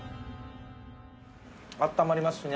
あったまりますしね。